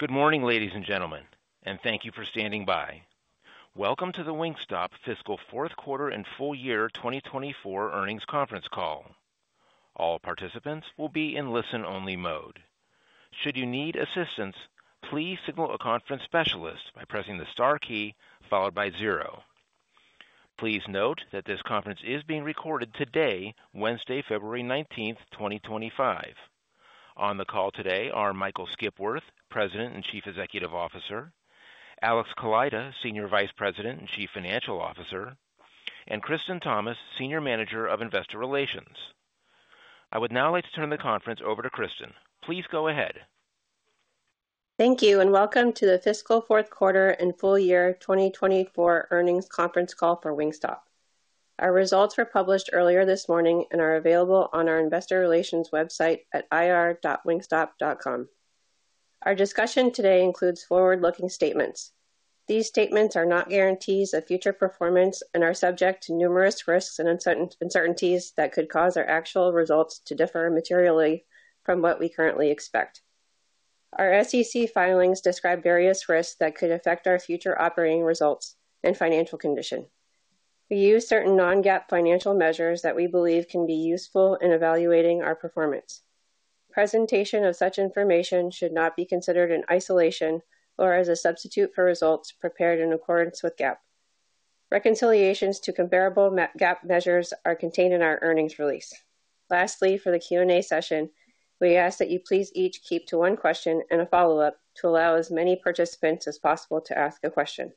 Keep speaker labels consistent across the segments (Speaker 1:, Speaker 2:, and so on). Speaker 1: Good morning ladies and gentlemen and thank you for standing by. Welcome to the Wingstop Fiscal 4th Quarter and Full Year 2024 Earnings Conference Call. All participants will be in listen only mode. Should you need assistance, please signal a conference specialist by pressing the star key followed by zero. Please note that this conference is being recorded today, Wednesday, February 19th 2025. On the call today are Michael Skipworth, President and Chief Executive Officer, Alex Kaleida, Senior Vice President and Chief Financial Officer and Kristen Thomas, Senior Manager of Investor Relations. I would now like to turn the conference over to Kristen. Please go ahead.
Speaker 2: Thank you and Welcome to the Fiscal 4th Quarter and Full Year 2024 Earnings Conference Call for Wingstop. Our results were published earlier this morning and are available on our Investor Relations website at ir.wingstop.com. Our discussion today includes forward-looking statements. These statements are not guarantees of future performance and are subject to numerous risks and uncertainties that could cause our actual results to differ materially from what we currently expect. Our SEC filings describe various risks that could affect our future operating results and financial condition. We use certain non-GAAP financial measures that we believe can be useful in evaluating our performance. Presentation of such information should not be considered in isolation or as a substitute for results prepared in accordance with GAAP. Reconciliations to comparable GAAP measures are contained in our earnings release. Lastly, for the Q&A session we ask that you please each keep to one question and a follow up to allow as many participants as possible to ask a question.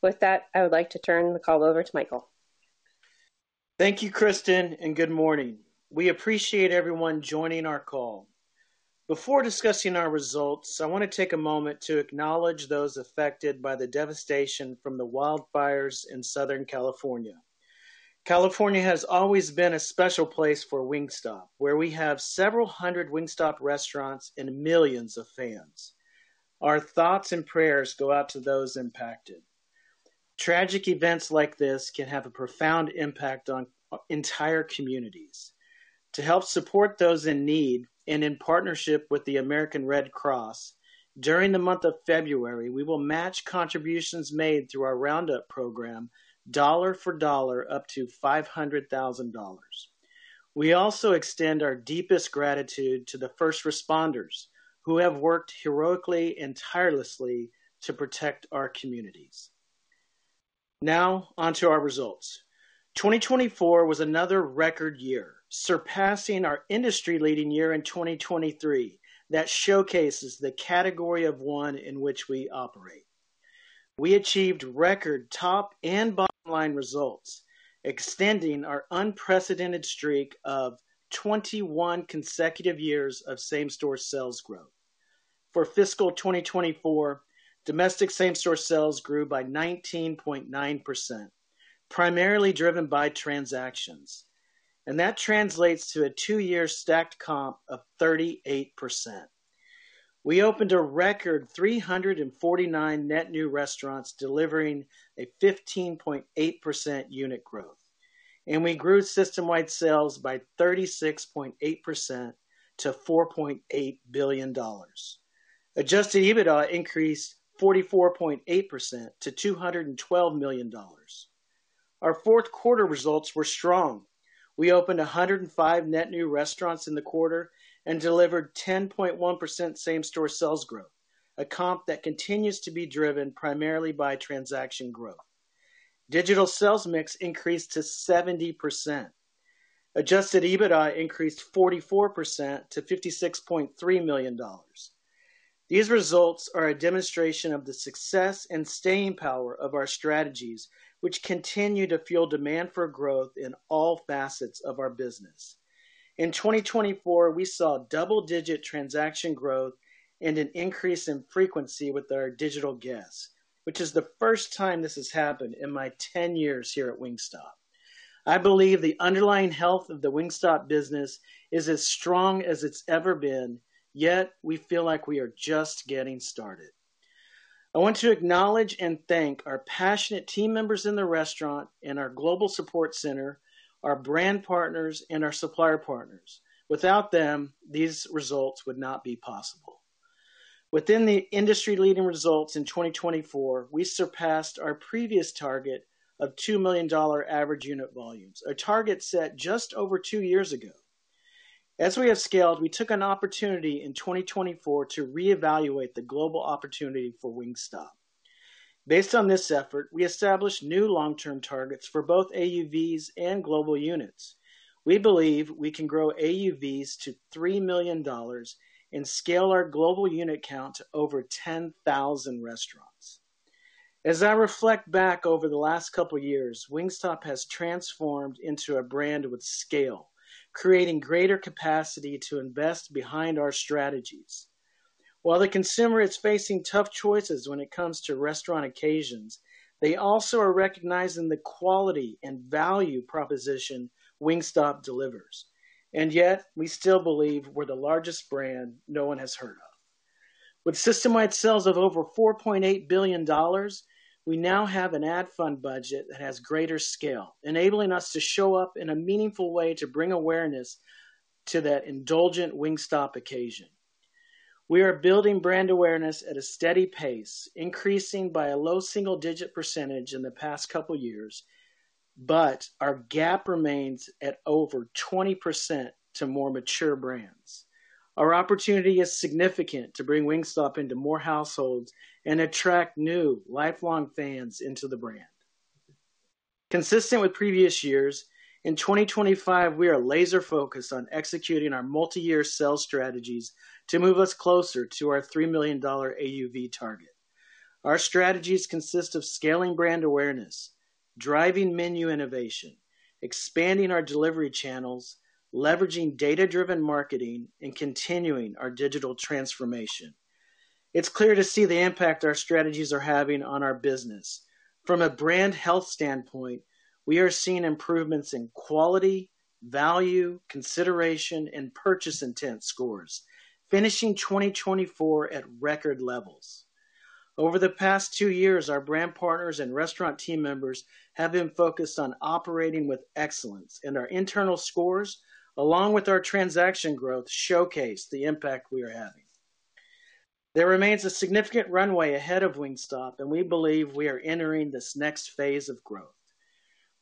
Speaker 2: With that, I would like to turn the call over to Michael.
Speaker 3: Thank you Kristen and good morning. We appreciate everyone joining our call. Before discussing our results, I want to take a moment to acknowledge those affected by the devastation from the wildfires in Southern California. California has always been a special place for Wingstop where we have several hundred Wingstop restaurants and millions of fans. Our thoughts and prayers go out to those impacted. Tragic events like this can have a profound impact on entire communities. To help support those in need and in partnership with the American Red Cross, during the month of February we will match contributions made through our roundup program dollar for dollar up to $500,000. We also extend our deepest gratitude to the first responders who have worked heroically and tirelessly to protect our communities. Now onto our results. 2024 was another record year surpassing our industry-leading year in 2023 that showcases the Category of One in which we operate. We achieved record top- and bottom-line results extending our unprecedented streak of 21 consecutive years of same-store sales growth. For fiscal 2024, domestic same-store sales grew by 19.9% primarily driven by transactions, and that translates to a 2-year stacked comp of 38%. We opened a record 349 net new restaurants delivering a 15.8% unit growth, and we grew system-wide sales by 36.8% to $4.8 billion. Adjusted EBITDA increased 44.8% to $212 million. Our 4th quarter results were strong. We opened 105 net new restaurants in the quarter and delivered 10.1% same-store sales growth, a comp that continues to be driven primarily by transaction growth. Digital sales mix increased to 70%. Adjusted EBITDA increased 44% to $56.3 million. These results are a demonstration of the success and staying power of our strategies which continue to fuel demand for growth in all facets of our business. In 2024, we saw double digit transaction growth and an increase in frequency with our digital guests, which is the first time this has happened in my 10 years here at Wingstop. I believe the underlying health of the Wingstop business is as strong as it's ever been, yet we feel like we are just getting started. I want to acknowledge and thank our passionate team members in the restaurant and our Global Support Center, our brand partners and our supplier partners. Without them, these results would not be possible within the industry. Leading results in 2024, we surpassed our previous target of $2 million average unit volumes, a target set just over 2 years ago. As we have scaled, we took an opportunity in 2024 to re-evaluate the global opportunity for Wingstop. Based on this effort, we established new long-term targets for both AUVs and global units. We believe we can grow AUVs to $3 million and scale our global unit count to over 10,000 restaurants. As I reflect back over the last 2 years, Wingstop has transformed into a brand with scale, creating greater capacity to invest behind our strategies. While the consumer is facing tough choices when it comes to restaurant occasions, they also are recognizing the quality and value proposition of Wingstop delivers. And yet we still believe we're the largest brand no one has heard of. With system-wide sales of over $4.8 billion, we now have an ad fund budget that has greater scale enabling us to show up in a meaningful way to bring awareness to that indulgent Wingstop occasion. We are building brand awareness at a steady pace, increasing by a low single digit percentage in the past 2 years, but our gap remains at over 20% to more mature brands. Our opportunity is significant to bring Wingstop into more households and attract new lifelong fans into the brand. Consistent with previous years, in 2025 we are laser focused on executing our multi-year sales strategies to move us closer to our $3 million AUV target. Our strategies consist of scaling brand awareness, driving menu innovation, expanding our delivery channels, leveraging data-driven marketing and continuing our digital transformation. It's clear to see the impact our strategies are having on our business from a brand health standpoint. We are seeing improvements in quality, value consideration and purchase intent scores finishing 2024 at record levels over the past 2 years. Our brand partners and restaurant team members have been focused on operating with excellence and our internal scores along with our transaction growth showcase. The impact we are having there remains a significant runway ahead of Wingstop and we believe we are entering this next phase of growth.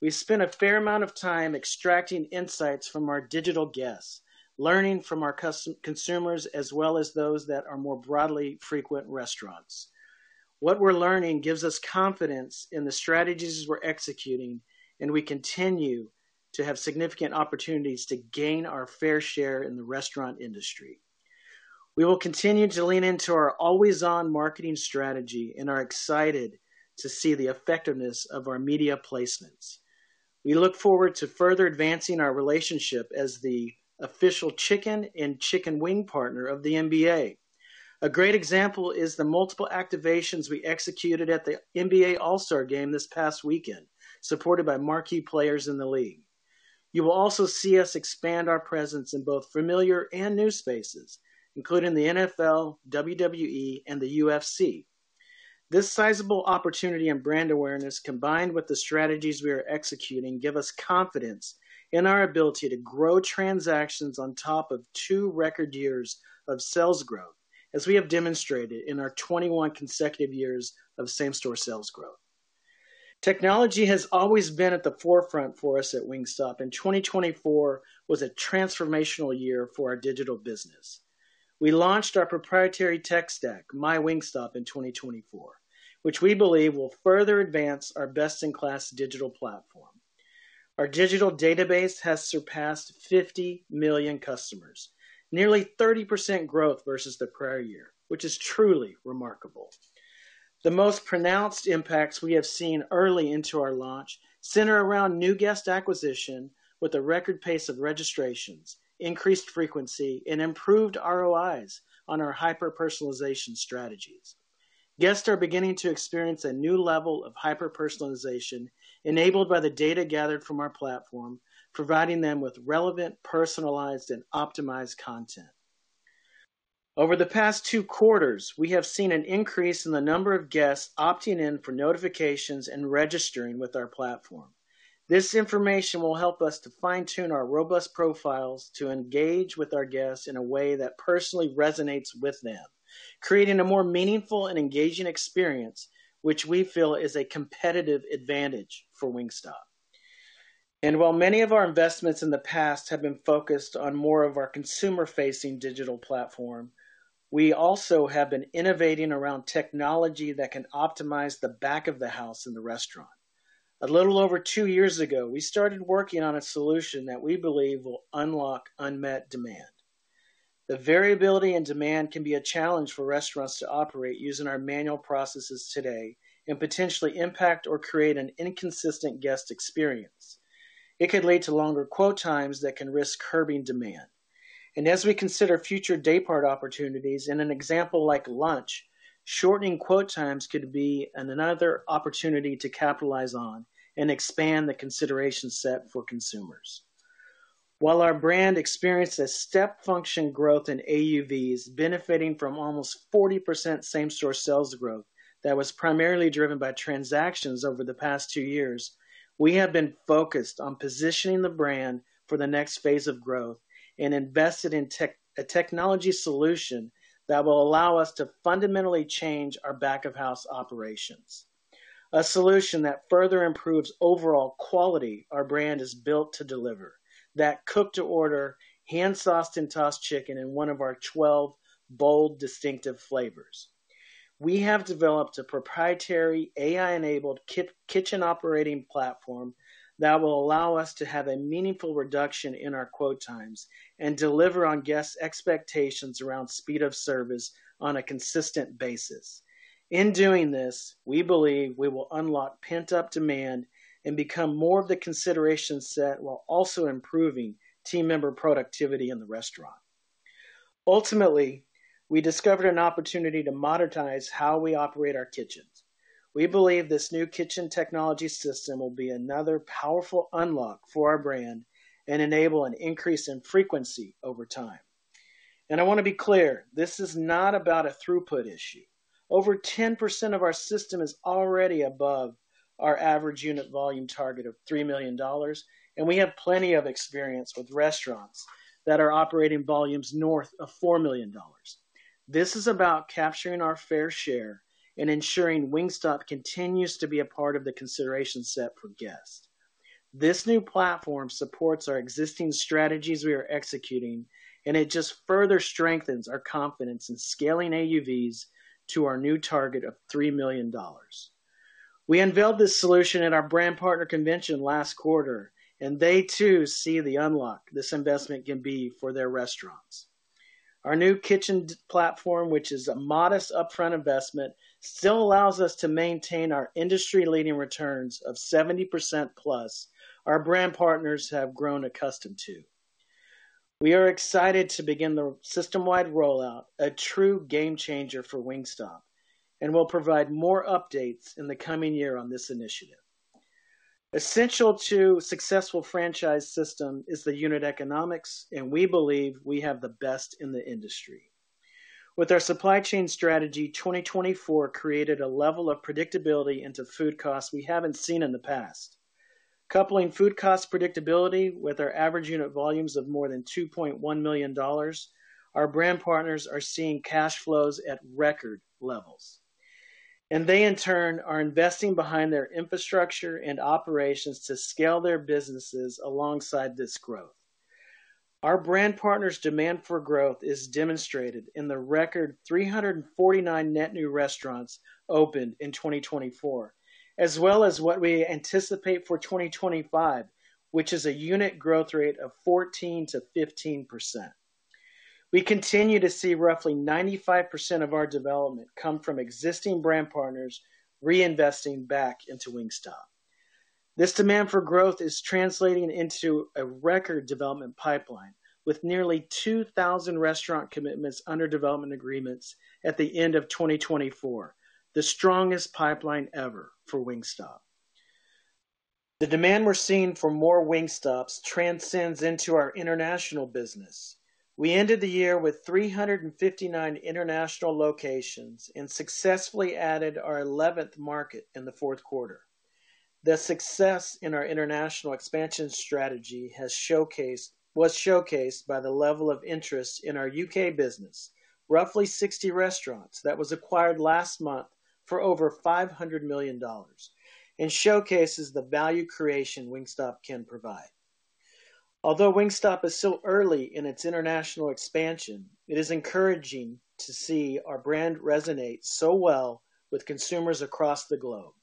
Speaker 3: We spent a fair amount of time extracting insights from our digital guests, learning from our consumers as well as those that are more broadly frequent restaurants. What we're learning gives us confidence in the strategies we're executing and we continue to have significant opportunities to gain our fair share in the restaurant industry. We will continue to lean into our always on marketing strategy and are excited to see the effectiveness of our media placements. We look forward to further advancing our relationship as the Official Chicken and Chicken Wing Partner of the NBA. A great example is the multiple activations we executed at the NBA All-Star Game this past weekend supported by marquee players in the league. You will also see us expand our presence in both familiar and new spaces including the NFL, WWE and the UFC. This sizable opportunity and brand awareness combined with the strategies we are executing give us confidence in our ability to grow transactions on top of 2 record years of sales growth as we have demonstrated in our 21 consecutive years of same-store sales growth. Technology has always been at the forefront for us at Wingstop, and 2024 was a transformational year for our digital business. We launched our proprietary tech stack MyWingstop in 2024, which we believe will further advance our best-in-class digital platform. Our digital database has surpassed 50 million customers, nearly 30% growth versus the prior year, which is truly remarkable. The most pronounced impacts we have seen early into our launch center around new guest acquisition with a record pace of registrations, increased frequency, and improved ROIs on our hyper-personalization strategies. Guests are beginning to experience a new level of hyper-personalization enabled by the data gathered from our platform, providing them with relevant, personalized, and optimized content. Over the past 2 quarters, we have seen an increase in the number of guests opting in for notifications and registering with our platform. This information will help us to fine-tune our robust profiles to engage with our guests in a way that personally resonates with them, creating a more meaningful and engaging experience which we feel is a competitive advantage for Wingstop. While many of our investments in the past have been focused on more of our consumer-facing digital platform, we also have been innovating around technology that can optimize the back of the house and the restaurant. A little over 2 years ago we started working on a solution that we believe will unlock unmet demand. The variability in demand can be a challenge for restaurants to operate using our manual processes today and potentially impact or create an inconsistent guest experience. It could lead to longer wait times that can risk curbing demand. And as we consider future daypart opportunities, in an example like lunch, shortening quote times could be another opportunity to capitalize on and expand the consideration set for consumers. While our brand experienced a step function growth in AUVs benefiting from almost 40% same-store sales growth that was primarily driven by transactions over the past 2 years, we have been focused on positioning the brand for the next phase of growth and invested in technology. A technology solution that will allow us to fundamentally change our back of house operations. A solution that further improves overall quality. Our brand is built to deliver that cook to order hand sauced and tossed chicken in one of our 12 bold, distinctive flavors. We have developed a proprietary AI-enabled kitchen operating platform that will allow us to have a meaningful reduction in our wait times and deliver on guests' expectations around speed of service on a consistent basis. In doing this we believe we will unlock pent-up demand and become more of the consideration set while also improving team member productivity in the restaurant. Ultimately we discovered an opportunity to modernize how we operate our kitchens. We believe this new kitchen technology system will be another powerful unlock for our brand and enable an increase in frequency over time. And I want to be clear this is not about a throughput issue. Over 10% of our system is already above our average unit volume target of $3 million and we have plenty of experience with restaurants that are operating volumes north of $4 million. This is about capturing our fair share and ensuring Wingstop continues to be a part of the consideration set for guests. This new platform supports our existing strategies we are executing and it just further strengthens our aim in scaling AUVs to our new target of $3 million. We unveiled this solution at our brand partner convention last quarter and they too see the unlock this investment can be for their restaurants. Our new kitchen platform, which is a modest upfront investment, still allows us to maintain our industry-leading returns of 70% plus our brand partners have grown accustomed to. We are excited to begin the system-wide rollout, a true game changer for Wingstop and will provide more updates in the coming year on this initiative. Essential to successful franchise system is the unit economics and we believe we have the best in the industry with our supply chain strategy. 2024 created a level of predictability into food costs we haven't seen in the past, coupling food cost predictability with our average unit volumes of more than $2.1 million, our brand partners are seeing cash flows at record levels and they in turn are investing behind their infrastructure and operations to scale their businesses. Alongside this growth, our brand partners demand for growth is demonstrated in the record 349 net new restaurants opened in 2024 as well as what we anticipate for 2025, which is a unit growth rate of 14%-15%. We continue to see roughly 95% of our development come from existing brand partners reinvesting back into Wingstop. This demand for growth is translating into a record development pipeline with nearly 2,000 restaurant commitments under development agreements at the end of 2024, the strongest pipeline ever for Wingstop. The demand we're seeing for more Wingstops translates into our international business. We ended the year with 359 international locations and successfully added our 11th market in the 4th quarter. The success in our international expansion strategy was showcased by the level of interest in our U.K. business, roughly 60 restaurants that was acquired last month for over $500 million and showcases the value creation Wingstop can provide. Although Wingstop is so early in its international expansion, it is encouraging to see our brand resonate so well with consumers across the globe.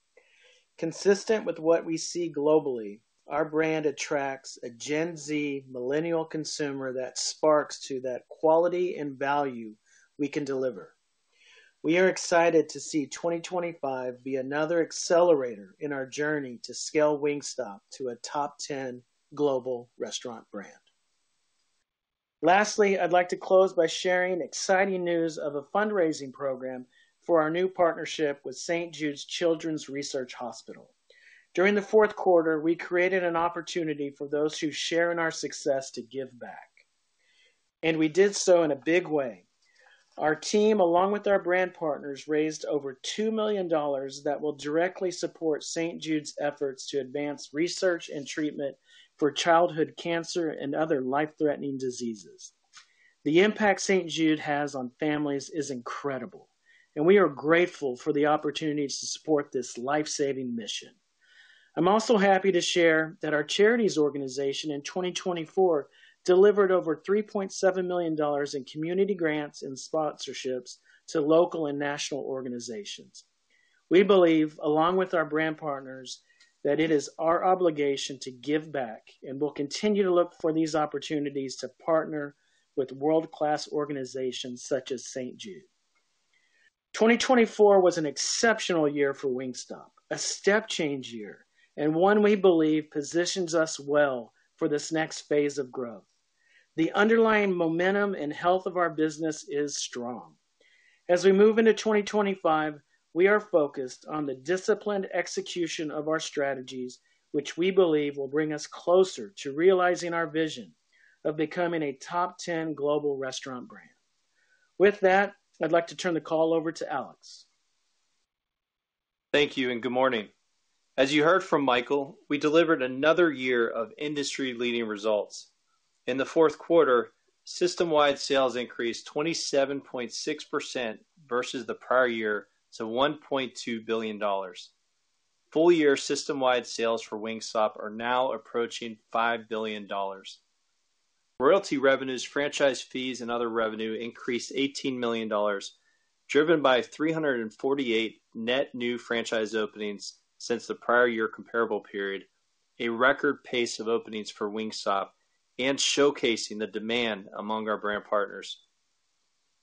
Speaker 3: Consistent with what we see globally, our brand attracts a Gen Z Millennial consumer that speaks to that quality and value we can deliver. We are excited to see 2025 be another accelerator in our journey to scale Wingstop to a top 10 global restaurant brand. Lastly, I'd like to close by sharing exciting news of a fundraising program for our new partnership with St. Jude's Children's Research Hospital. During the 4th quarter we created an opportunity for those who share in our success to give back and we did so in a big way. Our team, along with our brand partners raised over $2 million that will directly support St. Jude's efforts to advance research and treatment for childhood cancer and other life threatening diseases. The impact St. Jude has on families is incredible and we are grateful for the opportunities to support this life saving mission. I'm also happy to share that our charities organization in 2024 delivered over $3.7 million in community grants and sponsorships to local and national organizations. We believe, along with our brand partners that it is our obligation to give back and we'll continue to look for these opportunities to partner with world class organizations such as St. Jude. 2024 was an exceptional year for Wingstop, a step change year and one we believe positions us well for this next phase of growth. The underlying momentum and health of our business is strong. As we move into 2025, we are focused on the disciplined execution of our strategies which we believe will bring us closer to realizing our vision of becoming a top 10 global restaurant brand. With that, I'd like to turn the call over to Alex.
Speaker 4: Thank you and good morning. As you heard from Michael, we delivered another year of industry-leading results. In the 4th quarter, system-wide sales increased 27.6% versus the prior year to $1.2 billion. Full-year system-wide sales for Wingstop are now approaching $5 billion. Royalty revenues, franchise fees and other revenue increased $18 million driven by 348 net new franchise openings since the prior year comparable period, a record pace of openings for Wingstop and showcasing the demand among our brand partners.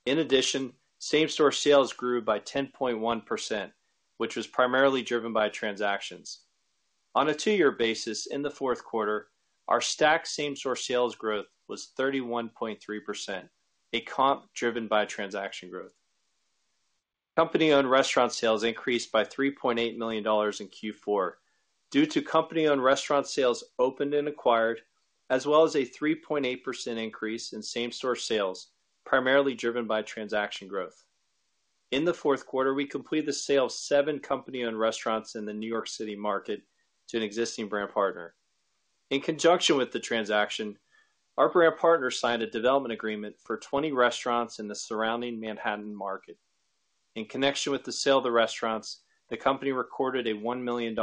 Speaker 4: In addition, same-store sales grew by 10.1% which was primarily driven by transactions on a 2-year basis. In the 4th quarter our stacked same-store sales growth was 31-point comp driven by transaction growth. Company-owned restaurant sales increased by $3.8 million in Q4 due to company-owned restaurants opened and acquired as well as a 3.8% increase in same-store sales primarily driven by transaction growth. In the 4th quarter we completed the sale of seven company-owned restaurants in the New York City market to an existing brand partner. In conjunction with the transaction, our brand partner signed a development agreement for 20 restaurants in the surrounding Manhattan market. In connection with the sale of the restaurants, the company recorded a $1 million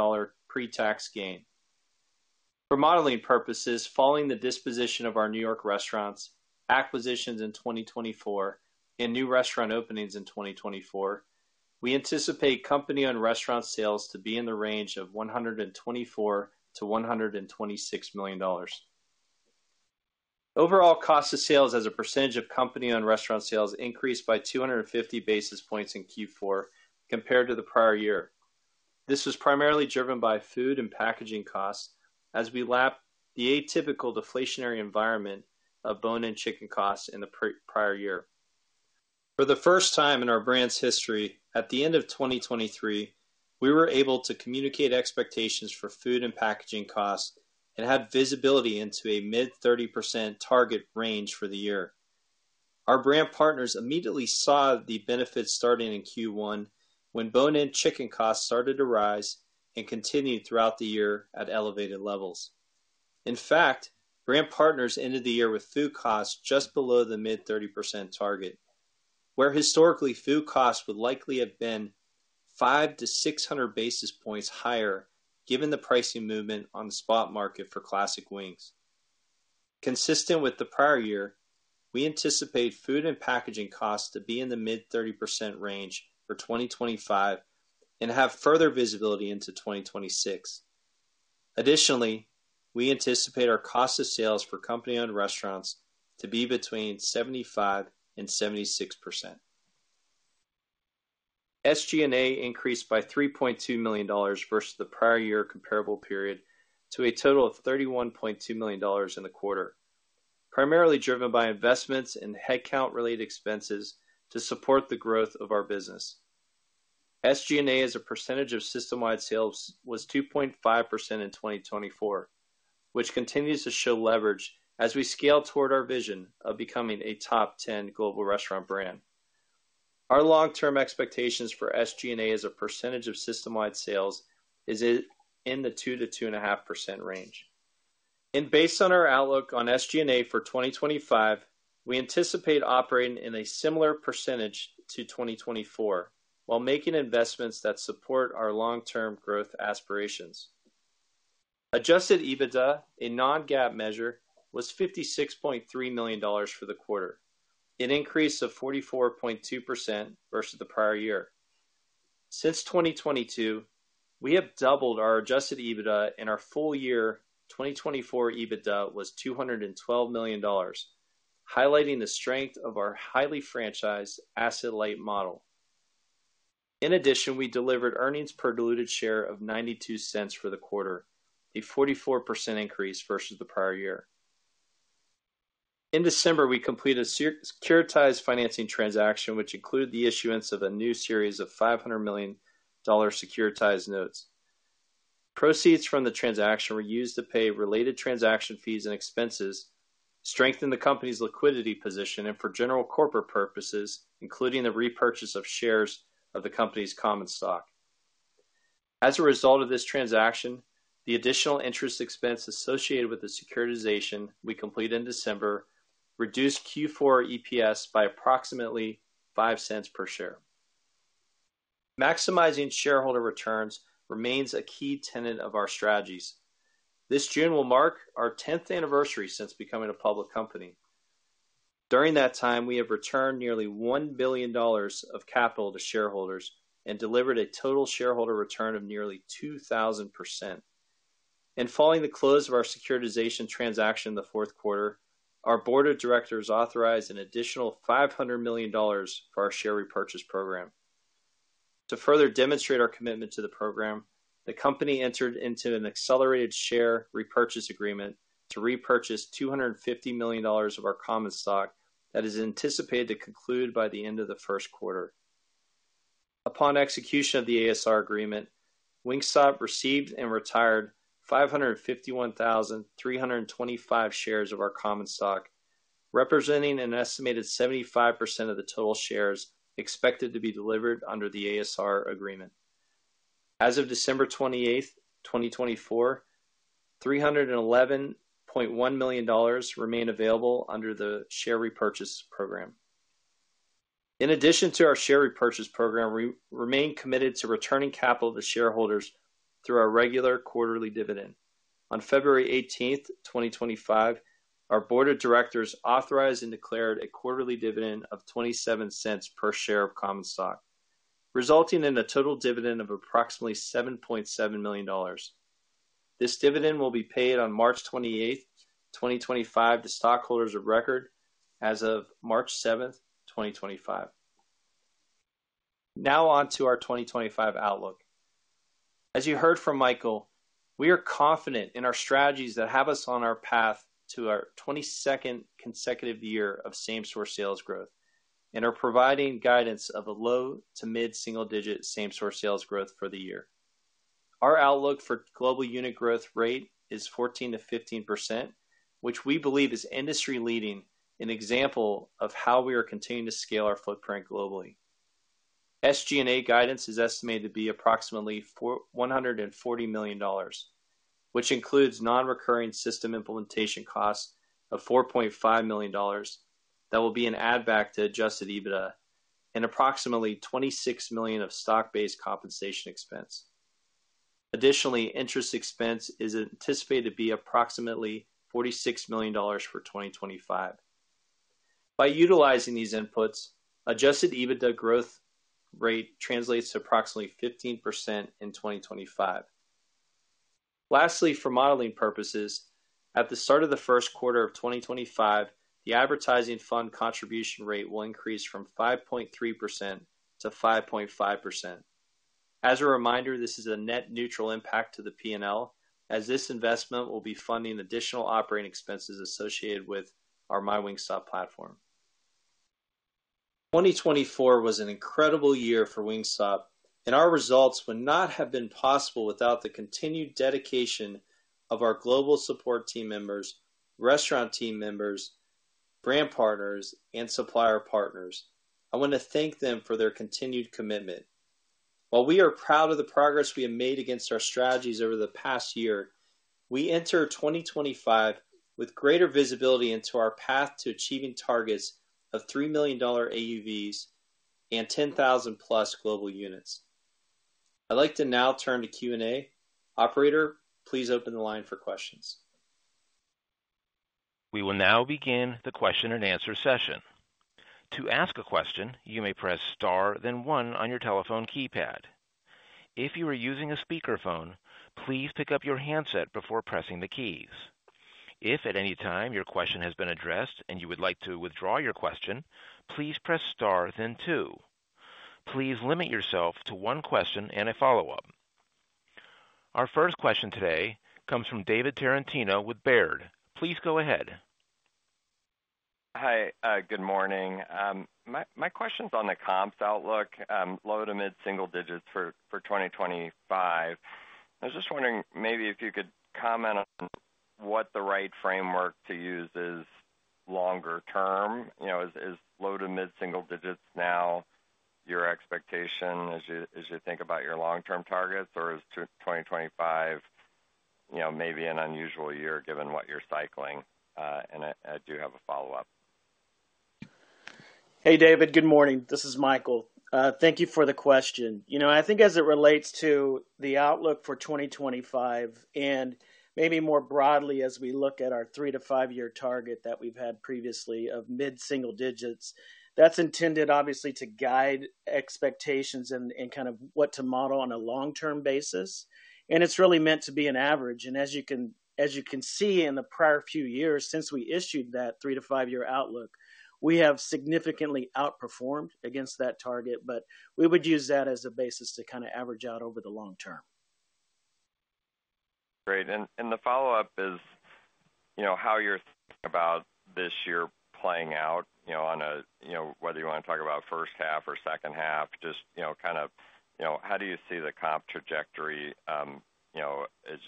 Speaker 4: pre-tax gain for modeling purposes. Following the disposition of our New York restaurants acquisitions in 2024 and new restaurant openings in 2024, we anticipate company-owned restaurant sales to be in the range of $124-$126 million. Overall cost of sales as a percentage of company-owned restaurant sales increased by 250 basis points in Q4 compared to the prior year. This was primarily driven by food and packaging costs. As we lap the atypical deflationary environment of bone-in chicken costs in the prior year for the first time in our brand's history, at the end of 2023 we were able to communicate expectations for food and packaging costs and had visibility into a mid-30% target range for the year. Our brand partners immediately saw the benefits starting in Q1 when bone-in chicken costs started to rise and continued throughout the year at elevated levels. In fact, brand partners ended the year with food costs just below the mid-30% target where historically food costs would likely have been 5 to 600 basis points higher given the pricing movement on the spot market for classic wings. Consistent with the prior year, we anticipate food and packaging costs to be in the mid-30% range for 2025 and have further visibility into 2026. Additionally, we anticipate our cost of sales for company-owned restaurants to be between 75% and 76%. SG&A increased by $3.2 million versus the prior year comparable period to a total of $31.2 million in the quarter, primarily driven by investments in headcount related expenses to support the growth of our business. SG&A as a percentage of system-wide sales was 2.5% in 2024, which continues to show leverage as we scale toward our vision of becoming a top 10 global restaurant brand. Our long term expectations for SG&A as a percentage of system-wide sales is in the 2%-2.5% range and based on our outlook on SG&A for 2025, we anticipate operating in a similar percentage to 2024 while making investments that support our long term growth aspirations. Adjusted EBITDA, a non-GAAP measure, was $56.3 million for the quarter, an increase of 44.2% versus the prior year. Since 2022 we have doubled our Adjusted EBITDA and our full year 2024 EBITDA was $212 million, highlighting the strength of our highly franchised asset light model. In addition, we delivered earnings per diluted share of $0.92 for the quarter, a 44% increase versus the prior year. In December we completed a securitized financing transaction which included the issuance of a new series of $500 million securitized notes. Proceeds from the transaction were used to pay related transaction fees and expenses, strengthen the company's liquidity position and for general corporate purposes, including the repurchase of shares of the company's common stock. As a result of this transaction, the additional interest expense associated with the securitization we completed in December reduced Q4 EPS by approximately $0.05 per share. Maximizing shareholder returns remains a key tenet of our strategies. This June will mark our 10th anniversary since becoming a public company. During that time, we have returned nearly $1 billion of capital to shareholders and delivered a total shareholder return of nearly 2000%. Following the close of our securitization transaction in the 4th quarter, our Board of Directors authorized an additional $500 million for our share repurchase program. To further demonstrate our commitment to the program, the Company entered into an accelerated share repurchase agreement to repurchase $250 million of our common stock that is anticipated to conclude by the end of the 1st quarter. Upon execution of the ASR agreement, Wingstop received and retired 551,325 shares of our common stock, representing an estimated 75% of the total shares expected to be delivered under the ASR agreement. As of December 28, 2024, $311.1 million remain available under the share repurchase program. In addition to our share repurchase program, we remain committed to returning capital to shareholders through our regular quarterly dividend. On February 18, 2025, our Board of Directors authorized and declared a quarterly dividend of $0.27 per share of common stock, resulting in a total dividend of approximately $7.7 million. This dividend will be paid on March 28, 2025 to stockholders of record as of March 7, 2025. Now on to our 2025 outlook. As you heard from Michael, we are confident in our strategies that have us on our path to our 22nd consecutive year of same-store sales growth and are providing guidance of a low-to-mid single-digit same-store sales growth for the year. Our outlook for global unit growth rate is 14%-15% which we believe is industry-leading. An example of how we are continuing to scale our footprint globally. SG&A guidance is estimated to be approximately $140 million which includes non-recurring system implementation costs $4.5 million. That will be an add-back to Adjusted EBITDA and approximately $26 million of stock-based compensation expense. Additionally, interest expense is anticipated to be approximately $46 million for 2025. By utilizing these inputs, Adjusted EBITDA growth rate translates to approximately 15% in 2025. Lastly, for modeling purposes, at the start of the 1st quarter of 2025 the advertising fund contribution rate will increase from 5.3% to 5.5%. As a reminder, this is a net neutral impact to the P&L as this investment will be funding additional operating expenses associated with our MyWingstop platform. 2024 was an incredible year for Wingstop and our results would not have been possible without the continued dedication of our global support team members, restaurant team members, brand partners and supplier partners. I want to thank them for their continued commitment. While we are proud of the progress we have made against our strategies over the past year, we enter 2025 with greater visibility into our path to achieving targets of $3 million AUVs and 10,000 plus global units. I'd like to now turn to Q&A, operator. Please open the line for questions.
Speaker 1: We will now begin the question and answer session. To ask a question, you may press star then one on your telephone keypad. If you are using a speakerphone, please pick up your handset before pressing the keys. If at any time your question has been addressed and you would like to withdraw your question, please press star then two. Please limit yourself to one question and a follow up. Our first question today comes from David Tarantino with Baird. Please go ahead.
Speaker 5: Hi, good morning. My question's on the comps outlook, low-to-mid single-digits, for 2025. I was just wondering, maybe, if you could comment on what the right framework to use is, longer term. Is low-to-mid single-digits now your expectation as you think about your long-term targets? Or is 2025 maybe an unusual year given what you're cycling? And I do have a follow up.
Speaker 3: Hey David, good morning, this is Michael. Thank you for the question. I think as it relates to the outlook for 2025 and maybe more broadly as we look at our 3 to 5 year target that we've had previously of mid single digits, that's intended obviously to guide expectations and kind of what to model on a long term basis. And it's really meant to be an average. And as you can see in the prior few years since we issued that 3 to 5 year outlook, we have significantly outperformed against that target, but we would use that as a basis to kind of average out over the long term.
Speaker 5: Great. And the follow up is how you're thinking about this year playing out. Whether you want to talk about first half or second half, just kind of how do you see the comp trajectory as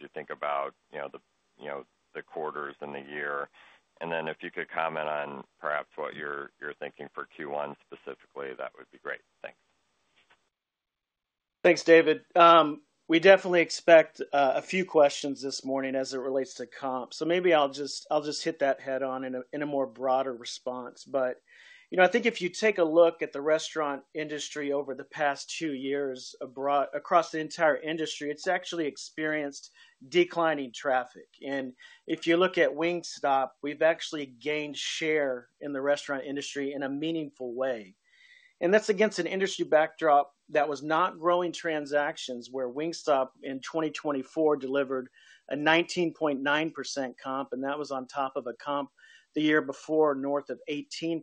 Speaker 5: you think about the quarters and the year? And then if you could comment on perhaps what you're thinking for Q1 specifically, that would be great. Thanks.
Speaker 3: Thanks, David. We definitely expect a few questions this morning as it relates to comp, so maybe I'll just hit that head on in a more broader response, but you know, I think if you take a look at the restaurant industry over the past 2 years a broad, across the entire industry, it's actually experienced declining traffic, and if you look at Wingstop, we've actually gained share in the restaurant industry in a meaningful way. That's against an industry backdrop that was not growing transactions, where Wingstop in 2024 delivered a 19.9% comp, and that was on top of a comp the year before, north of 18%.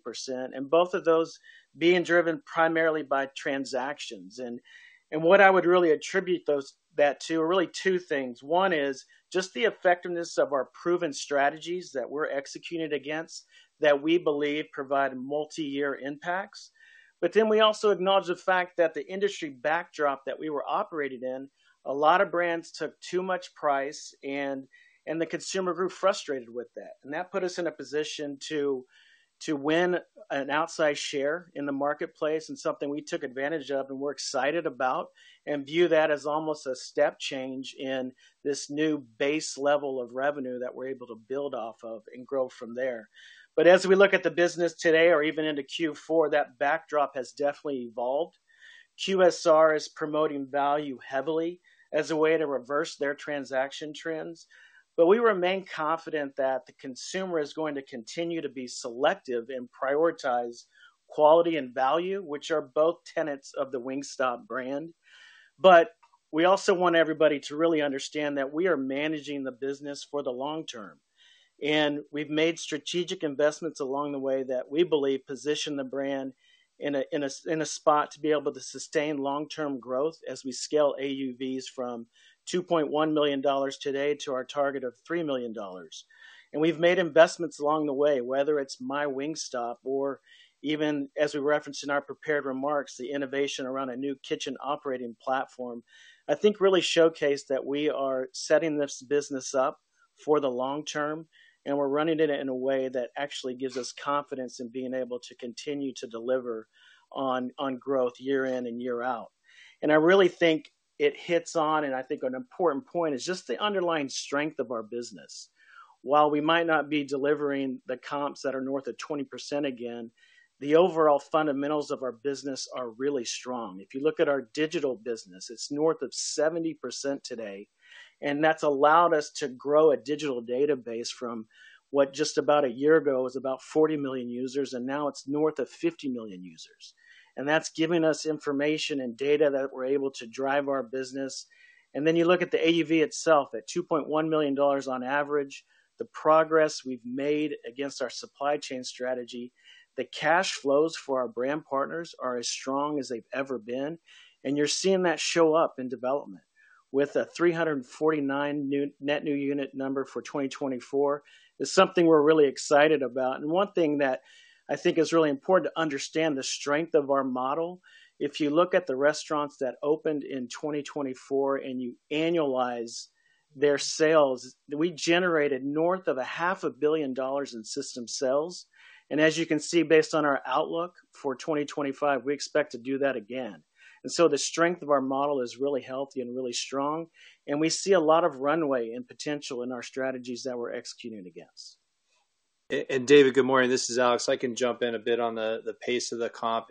Speaker 3: Both of those being driven primarily by transactions, and what I would really attribute that to are really 2 things. One is just the effectiveness of our proven strategies that we're executing against that we believe provide multi-year impacts. But then we also acknowledge the fact that the industry backdrop that we were operated in a lot of brands took too much price and the consumer grew frustrated with that, and that put us in a position to win an outsized share in the marketplace and something we took advantage of, and we're excited about and view that as almost a step change in this new base level of revenue that we're able to build off of and grow from there, but as we look at the business today, or even into Q4, that backdrop has definitely evolved. QSR is promoting value heavily as a way to reverse their transaction trends, but we remain confident that the consumer is going to continue to be selective and prioritize quality and value, which are both tenets of the Wingstop brand. But we also want everybody to really understand that we are managing the business for the long term and we've made strategic investments along the way that we believe position the brand in a spot to be able to sustain long term growth. As we scale AUVs from $2.1 million today to our target of $3 million. And we've made investments along the way, whether it's MyWingstop or even as we referenced in our prepared remarks, the innovation around a new kitchen operating platform. I think it really showcased that we are setting this business up for the long term and we're running it in a way that actually gives us confidence in being able to continue to deliver on growth year in and year out. And I really think it hits on and I think an important point is just the underlying strength of our business. While we might not be delivering the comps that are north of 20% again, the overall fundamentals of our business are really strong. If you look at our digital business, it's north of 70% today and that's allowed us to grow a digital database from what just about a year ago was about 40 million users. And now it's north of 50 million users and that's giving us information and data that we're able to drive our business. And then you look at the AUV itself at $2.1 million on average. The progress we've made against our supply chain strategy, the cash flows for our brand partners are as strong as they've ever been. And you're seeing that show up in development with a 349 net new unit number for 2024, which is something we're really excited about. One thing that I think is really important to understand the strength of our model. If you look at the restaurants that opened in 2024 and you annualize their sales, we generated north of $500 million in system sales. As you can see, based on our outlook for 2025, we expect to do that again. So the strength of our model is really healthy and really strong. We see a lot of runway and potential in our strategies that we're.
Speaker 4: And David, good morning, this is Alex. I can jump in a bit on the pace of the comp,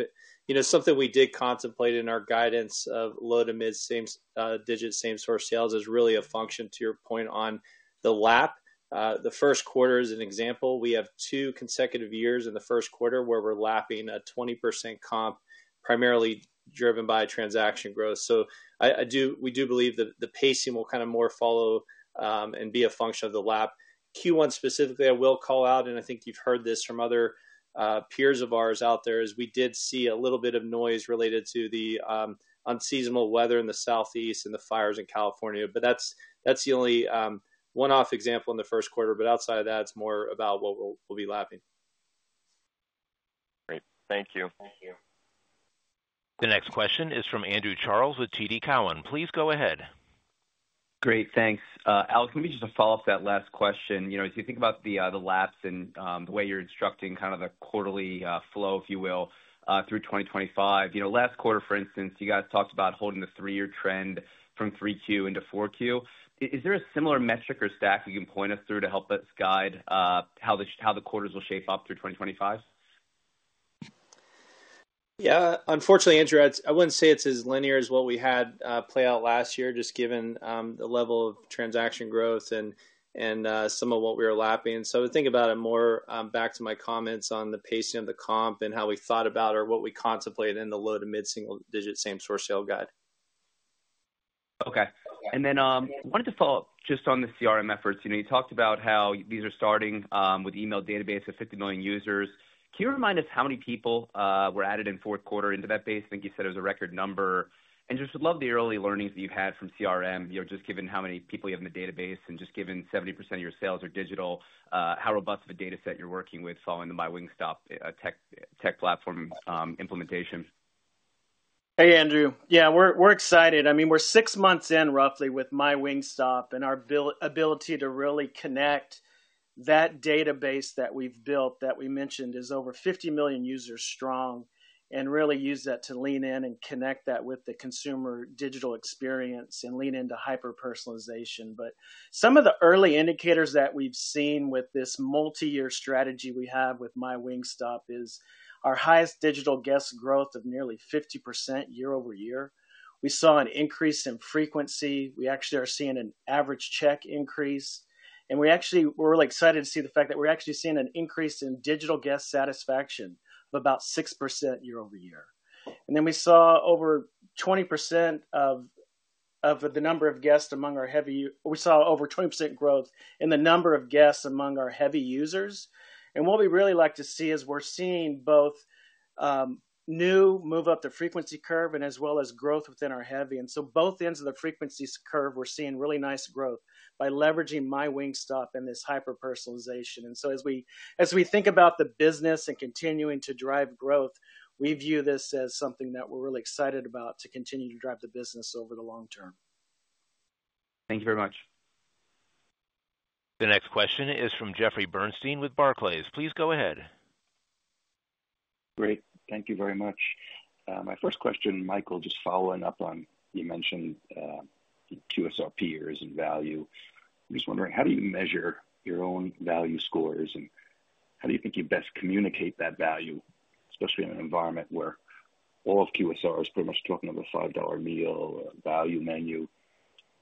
Speaker 4: you know, something we did contemplate in our guidance of low- to mid-single-digit same-store sales is really a function to your point on the lap. The first quarter is an example. We have 2 consecutive years in the first quarter where we're lapping 20-20% comp, primarily driven by transaction growth. So we do believe that the pacing will kind of more follow and be a function of the lap. Q1, specifically, I will call out, and I think you've heard this from other peers of ours out there is we did see a little bit of noise related to the unseasonable weather in the Southeast and the fires in California. But that's the only one-off example in the 1st quarter. But outside of that, it's more about what we'll be lapping.
Speaker 5: Great, thank you.
Speaker 1: The next question is from Andrew Charles with TD Cowen. Please go ahead.
Speaker 6: Great, thanks. Alex, maybe just to follow up that last question, you know, as you think about the lapping and the way you're instructing kind of the quarterly flow, if you will, through 2025, you know, last quarter, for instance, you guys talked about holding the 3-year trend from 3Q into 4Q. Is there a similar metric or stack you can point us through to help us guide how the quarters will shape up through 2025?
Speaker 4: Yeah, unfortunately Andrew, I wouldn't say it's as linear as what we had play out last year just given the level of transaction growth and some of what we were lapping. So think about it more. Back to my comments on the pacing of the comp and how we thought about or what we contemplate in the low- to mid-single-digit same-store sales guide.
Speaker 6: Okay. And then wanted to follow up just on the CRM efforts. You know, you talked about how these are starting with email database of 50 million users. Can you remind us how many people were added in 4th quarter into that base? I think you said it was a record number and just love the early learnings that you've had from CRM. You know, just given how many people you have in the database and just given 70% of your sales are digital, how robust of a data set you're working with following the MyWingstop tech platform implementation.
Speaker 3: Hey Andrew. Yeah, we're excited. I mean we're 6 months in roughly with MyWingstop and our ability to really connect that database that we've built that we mentioned is over 50 million users strong and really use that to lean in and connect that with the consumer digital experience and lean into hyper personalization. But some of the early indicators that we've seen with this multi-year strategy we have with MyWingstop is our highest digital guest growth of nearly 50% year-over-year. We saw an increase in frequency. We actually are seeing an average check increase and we actually were really excited to see the fact that we're actually seeing an increase in digital guest satisfaction of about 6% year-over-year. And then we saw over 20% of the number of guests among our heavy. We saw over 20% growth in the number of guests among our heavy users. And what we really like to see is we're seeing both new move up the frequency curve and as well as growth within our heavy and so both ends of the frequencies curve, we're seeing really nice growth by leveraging MyWingstop and this hyper-personalization. And so as we think about the business and continuing to drive growth, we view this as something that we're really excited about to continue to drive the business over the long term.
Speaker 6: Thank you very much.
Speaker 1: The next question is from Jeffrey Bernstein with Barclays. Please go ahead.
Speaker 7: Great, thank you very much. My first question, Michael, just following up on what you mentioned QSR peers and value. I'm just wondering how do you measure your own value scores and how do you think you best communicate that value especially in an environment where all of QSR is pretty much talking about $5 meals value menu.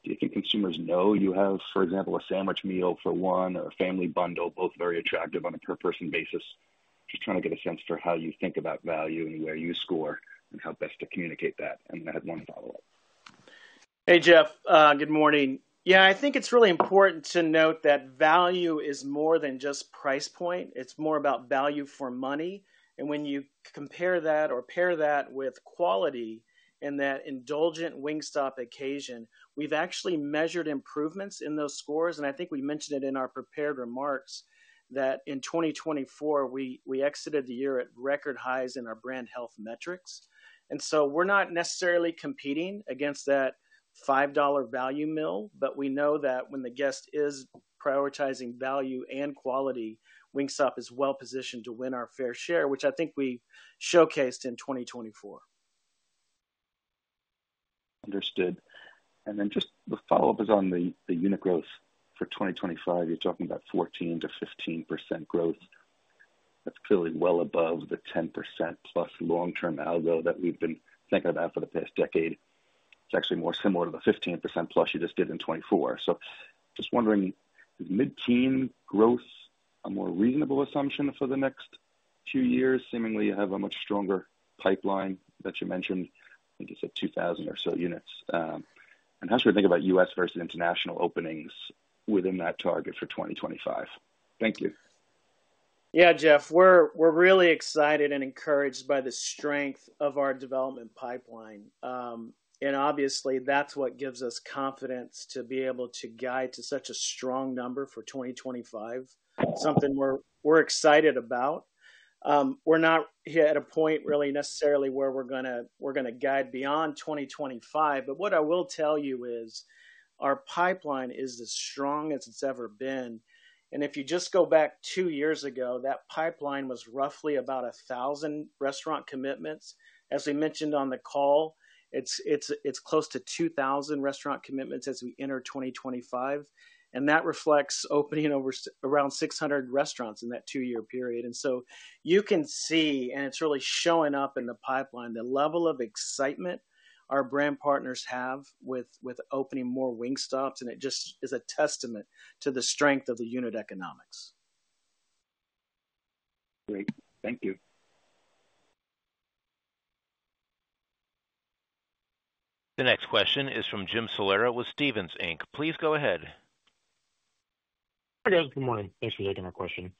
Speaker 7: Do you think consumers know you have for example a Sandwich Meal for One or a Family Bundle? Both very attractive on a per person basis. Just trying to get a sense for how you think about value and where you score and how best to communicate that. And I had one follow up.
Speaker 3: Hey, Jeff. Good morning. Yeah, I think it's really important to note that value is more than just price point. It's more about value for money. And when you compare that or pair that with quality and that indulgent Wingstop occasion, we've actually measured improvements in those scores. And I think we mentioned it in our prepared remarks that in 2024 we exited the year at record highs in our brand health metrics. And so we're not necessarily competing against that $5 value meal, but we know that when the guest is prioritizing value and quality, Wingstop is well positioned to win our fair share, which I think we showcased in 2024.
Speaker 7: Understood. Then just the follow up is on the unit growth for 2025. You're talking about 14%-15% growth. That's clearly well above the 10% plus long term algo that we've been thinking about for the past decade. It's actually more similar to the 15% plus you just did in 2014. So just wondering, is mid teen growth a more reasonable assumption for the next few years? Seemingly you have a much stronger pipeline that you mentioned. I think it's at 2,000 or so units. And how should we think about U.S. versus international openings within that target for 2025? Thank you.
Speaker 3: Yeah, Jeff, we're really excited and encouraged by the strength of our development pipeline. And obviously that's what gives us confidence to be able to guide to such a strong number for 2025, something we're excited about. We're not at a point really necessarily where we're gonna guide beyond 2025. But what I will tell you is our pipeline is as strong as it's ever been. And if you just go back 2 years ago, that pipeline was roughly about a thousand restaurant commitments. As we mentioned on the call, it's close to 2,000 restaurant commitments as we enter 2025. And that reflects opening around 600 restaurants in that 2-year period. And so you can see, and it's really showing up in the pipeline, the level of excitement our brand partners have with opening more Wingstops. It just is a testament to the strength of the unit economics.
Speaker 7: Great, thank you.
Speaker 1: The next question is from Jim Salera with Stephens Inc. Please go ahead.
Speaker 8: Hi guys. Good morning. Thanks for taking that question,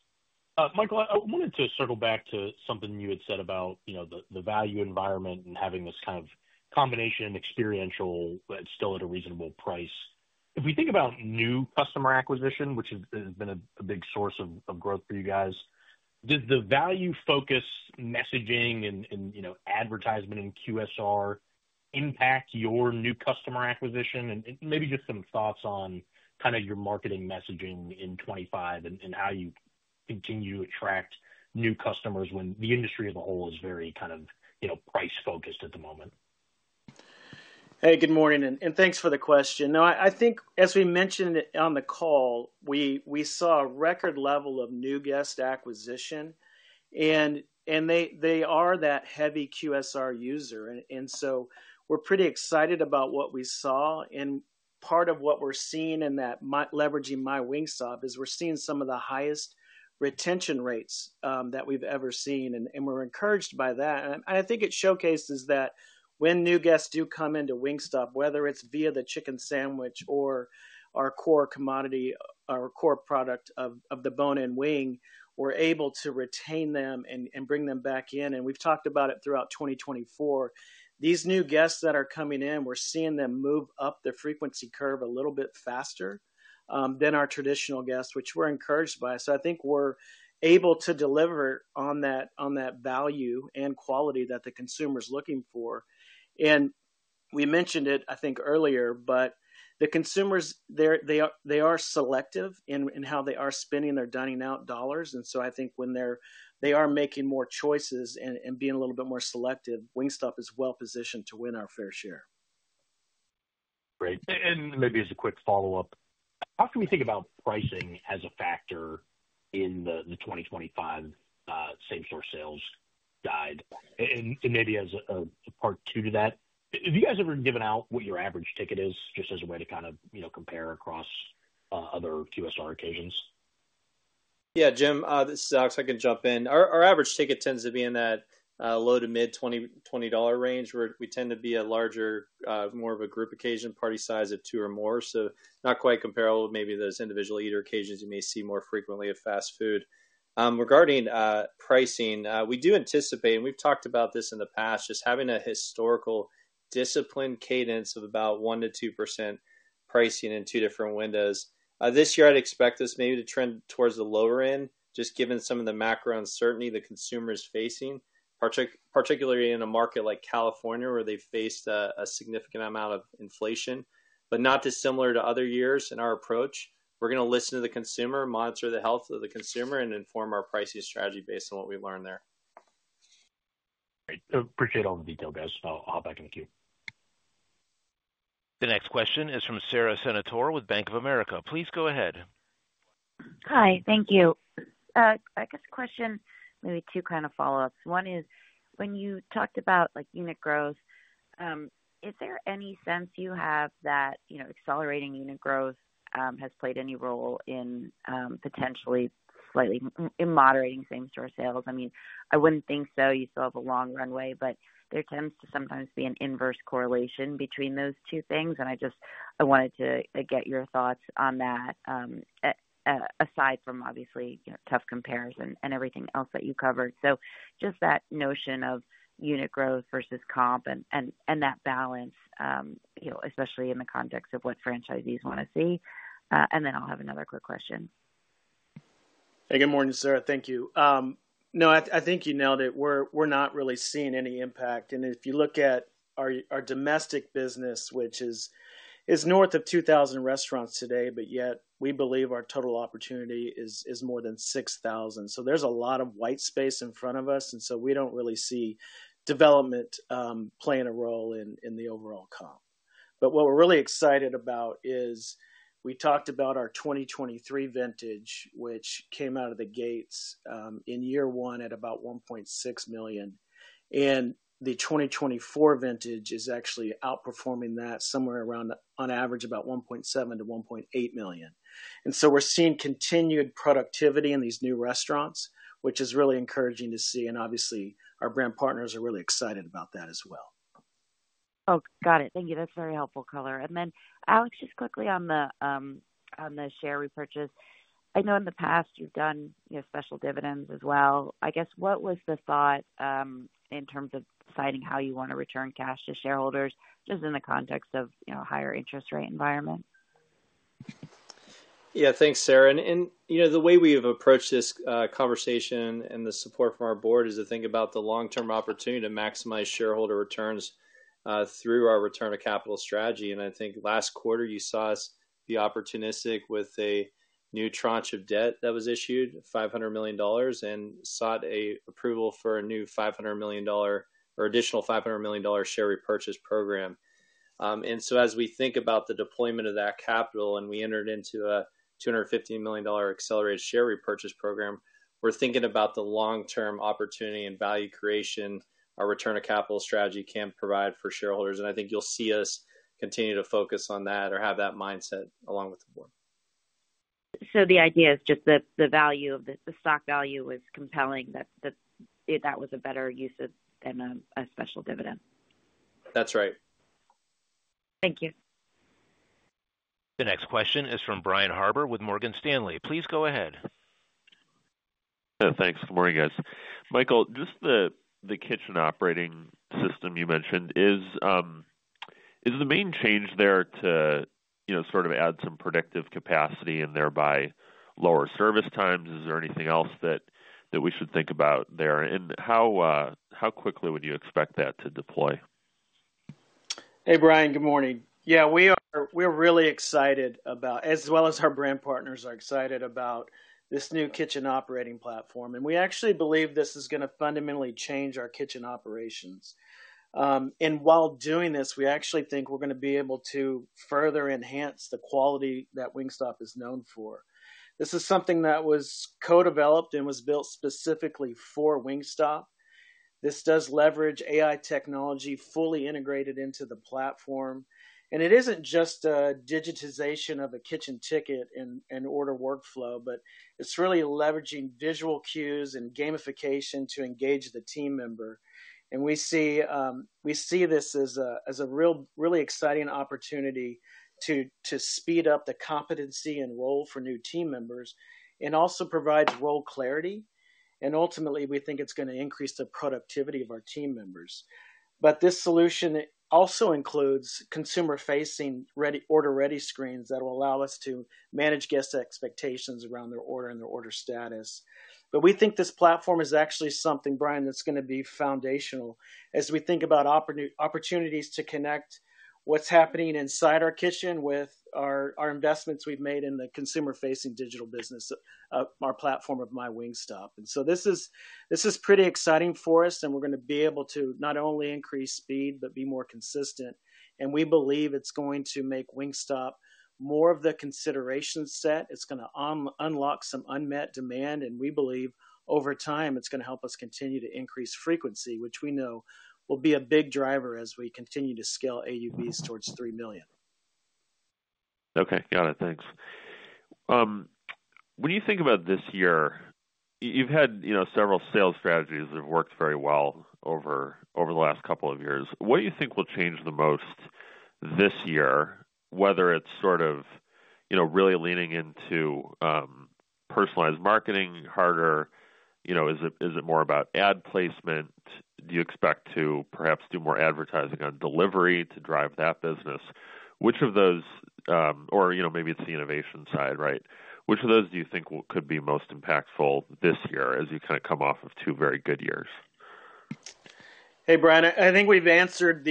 Speaker 8: Michael. I wanted to circle back to something you had said about, you know, the value environment and having this kind of combination experiential, but still at a reasonable price. If we think about new customer acquisition, which has been a big source of growth for you guys, did the value focus messaging and advertisement and QSR impact your new customer acquisition and maybe just some thoughts on kind of your marketing messaging in 2025 and how you continue to attract new customers when the industry as a whole is very kind of price focused at the moment.
Speaker 3: Hey, good morning and thanks for the question. No, I think as we mentioned on the call, we saw a record level of new guest acquisition and they are that heavy QSR user, and so we're pretty excited about what we saw. And part of what we're seeing in that leveraging MyWingstop is we're seeing some of the highest retention rates that we've ever seen and we're encouraged by that. And I think it showcases that when new guests do come into Wingstop, whether it's via the Chicken Sandwich or our core commodity, our core product of the bone-in wing, we're able to retain them and bring them back in. And we've talked about it throughout 2024. These new guests that are coming in, we're seeing them move up the frequency curve a little bit faster than our traditional guests, which we're encouraged by. So I think we're able to deliver on that, on that value and quality that the consumer is looking for. And we mentioned it, I think earlier. But the consumers, they are selective in how they are spending their dining out dollars. And so I think when they are making more choices and being a little bit more selective, Wingstop is well positioned to win our fair share.
Speaker 8: Great. And maybe as a quick follow up, how can we think about pricing as a factor in the 2025 same-store sales guide and maybe as a part 2 to that? Have you guys ever given out what your average ticket is just as a way to kind of, you know, compare across other QSR occasions?
Speaker 4: Yeah, Jim, this is Alex. I can jump in. Our average ticket tends to be in that low to mid-$20 range where we tend to be a larger, more of a group occasion party size of 2 or more. So not quite comparable, maybe those individual eater occasions you may see more frequently of fast food. Regarding pricing, we do anticipate, and we've talked about this in the past, just having a historical disciplined cadence of about 1%-2% pricing in 2 different windows this year. I'd expect us maybe to trend towards the lower end. Just given some of the macro uncertainty the consumer is facing, particularly in a market like California where they faced a significant amount of inflation, but not dissimilar to other years. In our approach, we're going to listen to the consumer, monitor the health of the consumer, and inform our pricing strategy based on what we learned there.
Speaker 8: Appreciate all the detail, guys. I'll hop back in the queue.
Speaker 1: The next question is from Sara Senatore with Bank of America. Please go ahead.
Speaker 9: Hi. Thank you. I guess question, maybe 2 kind of follow-ups. One is when you talked about like unit growth, is there any sense you have that, you know, accelerating unit growth has played any role in potentially slightly moderating same-store sales? I mean, I wouldn't think so. You still have a long runway, but there tends to sometimes be an inverse correlation between those 2 things. And I just, I wanted to get your thoughts on that, aside from obviously tough compares and everything else that you covered. So just that notion of unit growth versus comp and that balance, especially in the context of what franchisees want to see. And then I'll have another quick question.
Speaker 3: Good morning, Sara. Thank you. No, I think you nailed it. We're not really seeing any impact, and if you look at our domestic business, which is north of 2,000 restaurants today, but yet we believe our total opportunity is more than 6,000. So there's a lot of white space in front of us, and so we don't really see development playing a role in the overall comp. But what we're really excited about is we talked about our 2023 vintage, which came out of the gates in year one at about $1.6 million. And the 2024 vintage is actually outperforming that somewhere around on average about $1.7-$1.8 million, and so we're seeing continued productivity in these new restaurants, which is really encouraging to see, and obviously our brand partners are really excited about that as well.
Speaker 9: Oh, got it. Thank you. That's very helpful. Color. And then Alex, just quickly on the share repurchase, I know in the past you've done special dividends as well. I guess what was the thought in terms of deciding how you want to return cash to shareholders just in the context of higher interest rate environment?
Speaker 4: Yeah, thanks, Sara. The way we have approached this conversation and the support from our board is to think about the long-term opportunity to maximize shareholder returns through our return of capital strategy. I think last quarter you saw us be opportunistic with a new tranche of debt that was issued $500 million and sought approval for a new $500 million or additional $500 million share repurchase program. So as we think about the deployment of that capital and we entered into a $250 million accelerated share repurchase program, we're thinking about the long-term opportunity and value creation our return of capital strategy can provide for shareholders. I think you'll see us continue to focus on that or have that mindset along with the board.
Speaker 9: The idea is just that the value of the stock was compelling, that was a better use of than a special dividend.
Speaker 4: That's right.
Speaker 9: Thank you.
Speaker 1: The next question is from Brian Harbour with Morgan Stanley. Please go ahead.
Speaker 10: Thanks. Good morning guys. Michael, just the kitchen operating system you mentioned is the main change there to sort of add some predictive capacity and thereby lower service times? Is there anything else that we should think about there and how quickly would you expect that to deploy?
Speaker 3: Hey Brian, good morning. Yeah, we are really excited about as well as our brand partners are excited about this new kitchen operating platform. We actually believe this is going to fundamentally change our kitchen operations. While doing this we actually think we're going to be able to further enhance the quality that Wingstop is known for. This is something that was co-developed and was built specifically for Wingstop. This does leverage AI technology fully integrated into the platform and it isn't just a digitization of kitchen ticket and order workflow, but it's really leveraging visual cues and gamification to engage the team member. We see this as a really exciting opportunity to speed up the competency in role for new team members and also provides role clarity and ultimately we think it's going to increase the productivity of our team members. But this solution also includes consumer-facing ready, order-ready screens that will allow us to manage guest expectations around their order and their order status. But we think this platform is actually something Brian, that's going to be foundational as we think about opportunities to connect what's happening inside our kitchen with our investments we've made in the consumer-facing digital business. Our platform of MyWingstop. And so this is pretty exciting for us and we're going to be able to not only increase speed but be more consistent. And we believe it's going to make Wingstop more of the consideration set. It's going to unlock some unmet demand and we believe over time it's going to help us continue to increase frequency which we know will be a big driver as we continue to scale AUVs towards 3 million.
Speaker 10: Okay, got it. Thanks. When you think about this year, you've had several sales strategies that have worked very well over the last couple of years. What do you think will change the most this year? Whether it's sort of really leaning into personalized marketing harder? Is it more about ad placement? Do you expect to perhaps do more advertising on delivery to drive that business? Which of those? Or, or maybe it's the innovation side. Right. Which of those do you think could be most impactful this year as you kind of come off of 2 very good years?
Speaker 3: Hey, Brian, I think we've answered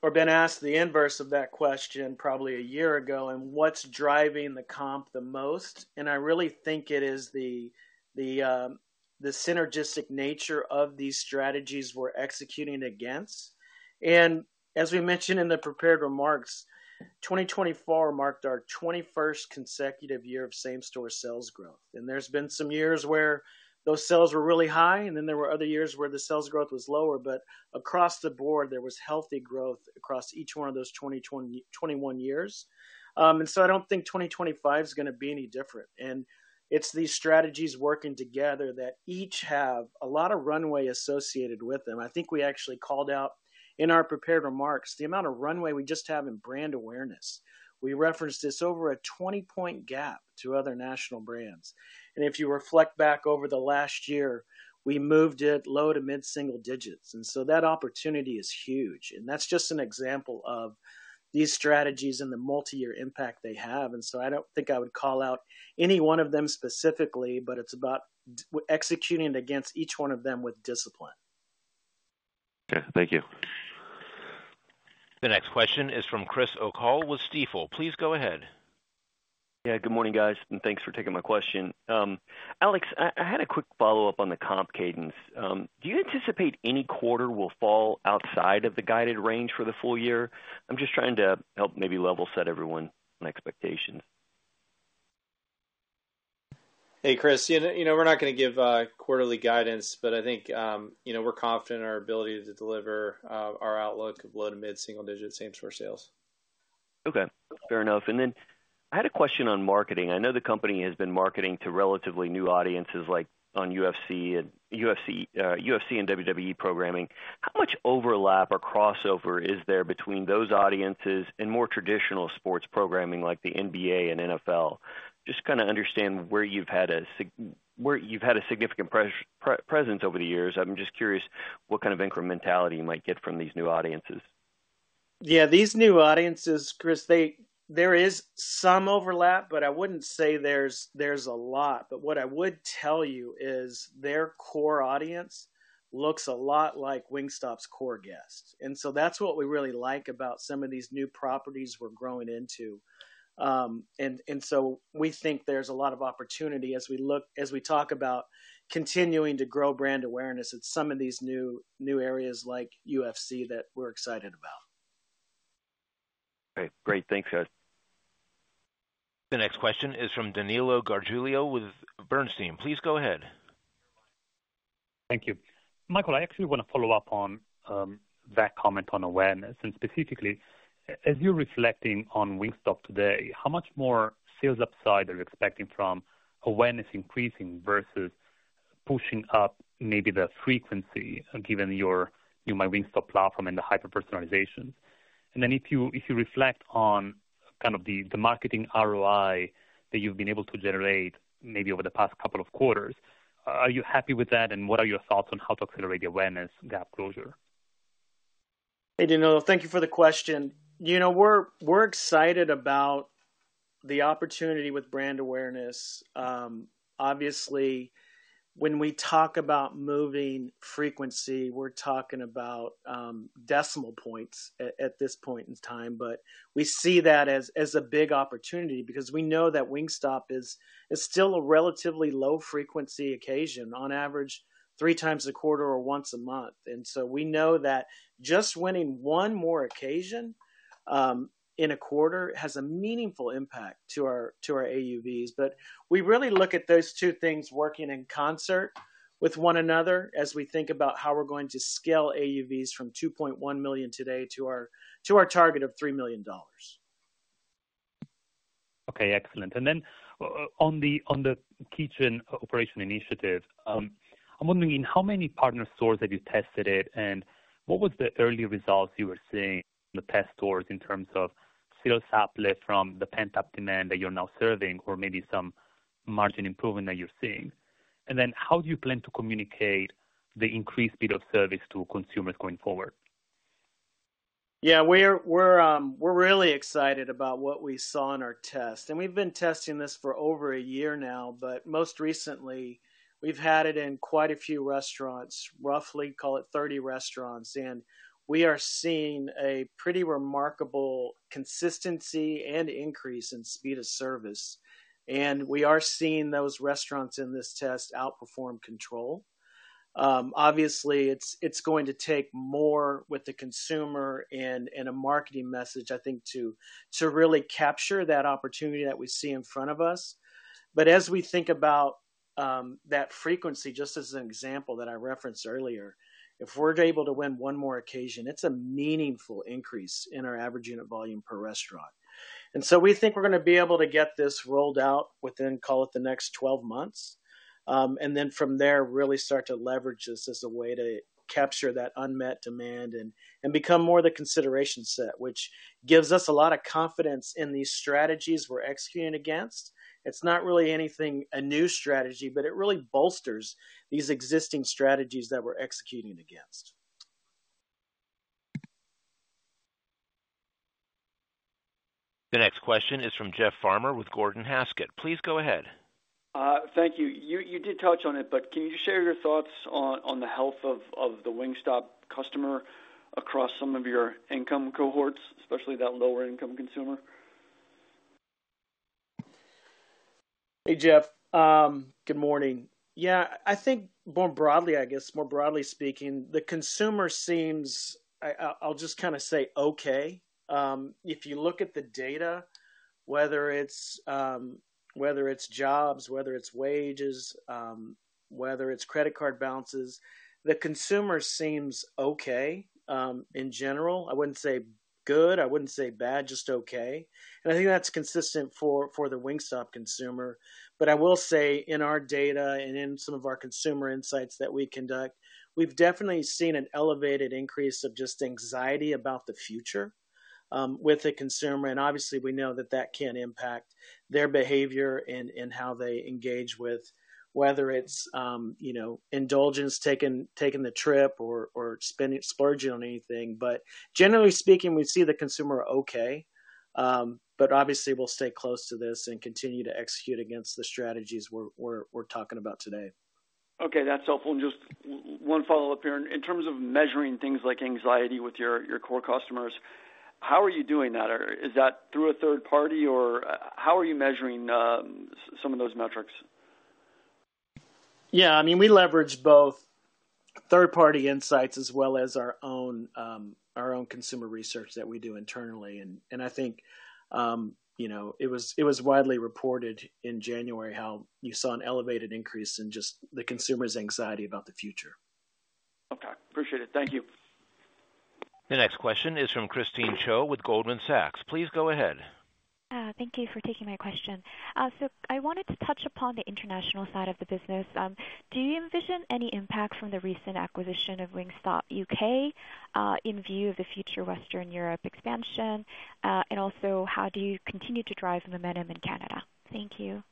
Speaker 3: or been asked the inverse of that question probably a year ago, and what's driving the comps the most? I really think it is. The synergistic nature of these strategies we're executing against, and as we mentioned in the prepared remarks, 2024 marked our 21st consecutive year of same-store sales growth, and there's been some years where those sales were really high and then there were other years where the sales growth was lower, but across the board, there was healthy growth across each one of those 20, 20, 21 years, and so I don't think 2025 is going to be any different, and it's these strategies working together that each have a lot of runway associated with them. I think we actually called out in our prepared remarks the amount of runway we just have in brand awareness. We referenced this over a 20-point gap to other national brands. And if you reflect back over the last year, we moved it low-to-mid single-digits. And so that opportunity is huge. And that's just an example of these strategies and the multi-year impact they have. And so I don't think I would call out any one of them specifically, but it's about executing against each one of them with discipline.
Speaker 10: Thank you.
Speaker 1: The next question is from Chris O'Cull with Stifel. Please go ahead.
Speaker 11: Yeah.Good morning guys and thanks for taking my question. Alex, I had a quick follow up on the comp cadence. Do you anticipate any quarter will fall outside of the guided range for the full year? I'm just trying to help maybe level set everyone on expectations.
Speaker 4: Hey, Chris, you know we're not going to give quarterly guidance, but I think, you know, we're confident in our ability to deliver our outlook of low-to-mid single-digit same-store sales.
Speaker 11: Okay, fair enough. And then I had a question on marketing. I know the company has been marketing to relatively new audiences like on. UFC and WWE programming. How much overlap or crossover is there between those audiences? And more traditional sports programming like the NBA and NFL just kind of understand where you've had a significant presence over the years. I'm just curious what kind of incrementality you might get from these new audiences.
Speaker 3: Yeah, these new audiences, Chris, there is some overlap, but I wouldn't say there's a lot, but what I would tell you is their core audience looks a lot like Wingstop's core guest, and so that's what we really like about some of these new properties we're growing into, and so we think there's a lot of opportunity as we look, as we talk about continuing to grow brand awareness at some of these new areas like UFC, that we're excited about.
Speaker 11: Great, thanks guys.
Speaker 1: The next question is from Danilo Gargiulo with Bernstein. Please go ahead.
Speaker 12: Thank you. Michael, I actually want to follow up on that comment on awareness. Specifically, as you're reflecting on Wingstop today, how much more sales upside are you expecting from awareness increasing versus pushing up maybe the frequency given your new MyWingstop platform and the hyper-personalization? If you reflect on kind of the marketing ROI that you've been able to generate maybe over the past couple of quarters, are you happy with that? What are your thoughts on how to accelerate the awareness gap closure?
Speaker 3: Hey, Danilo, thank you for the question. You know, we're excited about the opportunity with brand awareness. Obviously, when we talk about moving frequency, we're talking about decimal points at this point in time. But we see that as a big opportunity because we know that Wingstop is still a relatively low frequency occasion on average three times a quarter or once a month. And so we know that just winning one more occasion in a quarter has a meaningful impact to our AUVs. But we really look at those 2 things working in concert with one another as we think about how we're going to scale AUVs from $2.1 million today to our target of $3 million.
Speaker 12: Okay, excellent. And then on the kitchen operation initiative, I'm wondering, in how many partner stores have you tested it and what was the early results you were seeing the test stores in terms of from the pent-up demand that you're now serving or maybe some margin improvement that you're seeing? And then how do you plan to communicate the increased speed of service to consumers going forward?
Speaker 3: Yeah, we're really excited about what we saw in our test and we've been testing this for over a year now. But most recently we've had it in quite a few restaurants, roughly call it 30 restaurants. And we are seeing a pretty remarkable consistency and increase in speed of service. And we are seeing those restaurants in this test outperform control. Obviously, it's going to take more with the consumer and a marketing message, I think, to really capture that opportunity that we see in front of us. But as we think about that frequency, just as an example that I referenced earlier, if we're able to win one more occasion, it's a meaningful increase in our average unit volume per restaurant. And so we think we're going to be able to get this rolled out within, call it, the next 12 months and then from there really start to leverage this as a way to capture that unmet demand and become more the consideration set, which gives us a lot of confidence in these strategies that we're executing against. It's not really anything like a new strategy, but it really bolsters these existing strategies that we're executing against.
Speaker 1: The next question is from Jeff Farmer with Gordon Haskett. Please go ahead.
Speaker 13: Thank you. You did touch on it, but can? You share your thoughts on the health of the Wingstop customer across some of your income cohorts, especially that lower income consumer?
Speaker 3: Hey, Jeff, good morning. Yeah, I think more broadly, I guess more broadly speaking, the consumer seems, I'll just kind of say, okay, if you look at the data, whether it's jobs, whether it's wages, whether it's credit card balances, the consumer seems okay. In general. I wouldn't say good, I wouldn't say bad, just okay. And I think that's consistent for the Wingstop consumer. But I will say in our data and in some of our consumer insights that we conduct, we've definitely seen an elevated increase of just anxiety about the future with the consumer. And obviously we know that that can impact their behavior and how they engage with, whether it's, you know, indulgence taking, taking the trip or spending, splurging on anything. But generally speaking, we see the consumer okay. But obviously we'll stay close to this and continue to execute against the strategies we're talking about today.
Speaker 13: Okay, that's helpful. Just one follow up here. In terms of measuring things like anxiety. With your core customers, how are you doing that? Or is that through a 3rd party? Or how are you measuring some of those metrics?
Speaker 3: Yeah, I mean, we leverage both 3rd party insights as well as our own consumer research that we do internally. And I think, you know, it was widely reported in January how you saw an elevated increase in just the consumer's anxiety about the future.
Speaker 13: Okay, appreciate it. Thank you.
Speaker 1: The next question is from Christine Cho with Goldman Sachs. Please go ahead.
Speaker 14: Thank you for taking my question. So I wanted to touch upon the international side of the business. Do you envision any impact from the recent acquisition of Wingstop UK in view of the future Western Europe expansion? And also how do you continue to drive momentum in Canada? Thank you.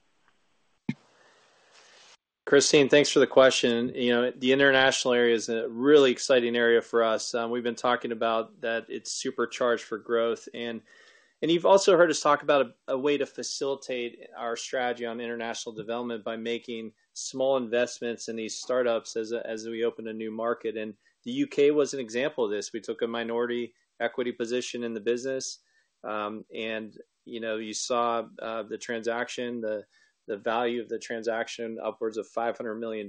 Speaker 4: Christine, thanks for the question. The international area is a really, really exciting area for us. We've been talking about that. It's supercharged for growth. And you've also heard us talk about a way to facilitate our strategy on international development by making small investments in these startups as we open a new market. And the U.K. was an example of this. We took a minority equity position in the business and you saw the transaction, the value of the transaction, upwards of $500 million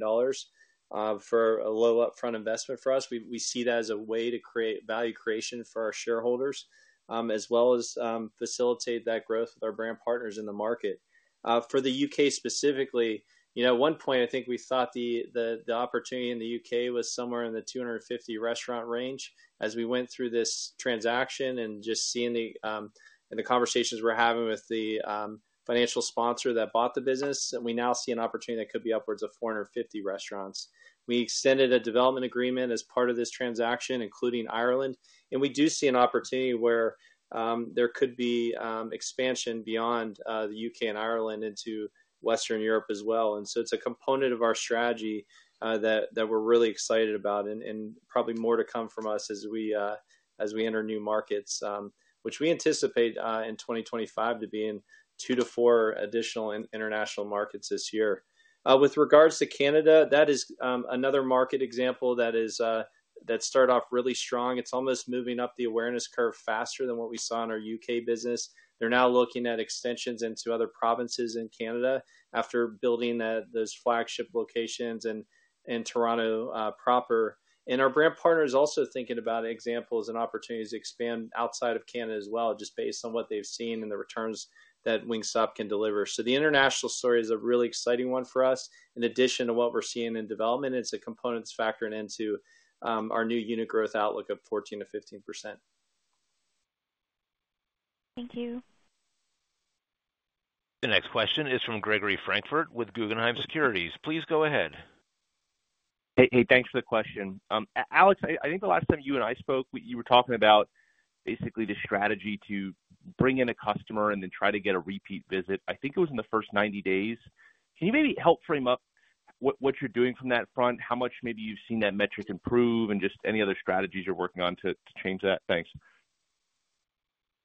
Speaker 4: for a low upfront investment. For us, we see that as a way to create value creation for our shareholders as well as facilitate that growth with our brand partners in the market. For the U.K. specifically, at one point I think we thought the opportunity in the U.K. was somewhere in the 250 restaurant range. As we went through this transaction and just seeing the conversations we're having with the financial sponsor that bought the business, and we now see an opportunity that could be upwards of 450 restaurants. We extended a development agreement as part of this transaction, including Ireland, and we do see an opportunity where there could be expansion beyond the U.K. and Ireland into Western Europe as well, and so it's a component of our strategy that we're really excited about and probably more to come from us as we enter new markets which we anticipate in 2025 to be in 2 to four additional international markets this year. With regards to Canada, that is another market example that is that start off really strong. It's almost moving up the awareness curve faster than what we saw in our U.K. business. They're now looking at extensions into other provinces in Canada after building those flagship locations and in Toronto proper. And our brand partner is also thinking about examples and opportunities to expand outside of Canada as well, just based on what they've seen and the returns that Wingstop can deliver. So the international story is a really exciting one for us. In addition to what we're seeing in development, it's a component that's factored into our new unit growth outlook of 14%-15%.
Speaker 14: Thank you.
Speaker 1: The next question is from Gregory Francfort with Guggenheim Securities. Please go ahead.
Speaker 15: Hey, thanks for the question. Alex, I think the last time you and I spoke, you were talking about basically the strategy to bring in a customer and then try to get a repeat visit. I think it was in the first 90 days. Can you maybe help frame up what you're doing from that front? How much maybe you've seen that metric improve and just any other strategies you're working on to change that? Thanks.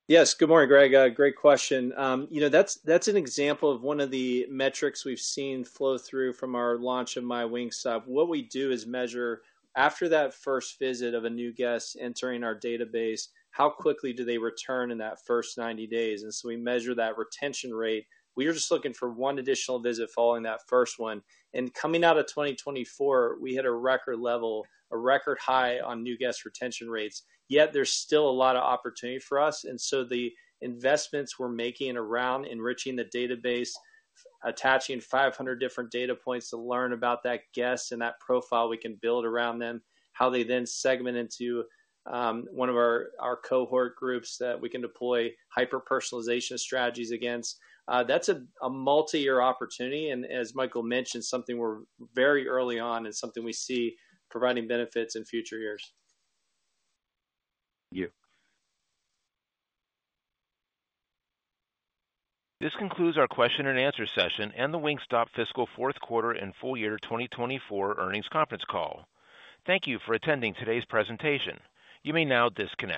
Speaker 4: Yes, good morning, Greg. Great question. You know, that's an example of one of the metrics we've seen flow through from our launch of MyWingstop. What we do is measure after that first visit of a new guest entering our database, how quickly do they return in that first 90 days. And so we measure that retention rate. We were just looking for one additional visit following that first one, and coming out of 2024, we hit a record level, a record high on new guest retention rates. Yet there's still a lot of opportunity for us. And so the investments we're making around enriching the database, attaching 500 different data points to learn about that guest and that profile we can build around them, how they then segment into one of our cohort groups that we can deploy hyper-personalization strategies against. That's a multi-year opportunity and as Michael mentioned, something we're very early on and something we see providing benefits in future years.
Speaker 15: Thank you.
Speaker 1: This concludes our question and answer session and the Wingstop Fiscal Fourth Quarter and Full Year 2024 Earnings Conference Call. Thank you for attending today's presentation. You may now disconnect.